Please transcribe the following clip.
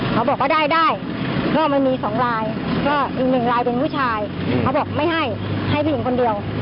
เขาบอกได้ได้เพราะมันมี๒ลายก็มี๑ลายเป็นวุชายเขาบอกไม่ให้ให้ผู้หญิงคนเดียว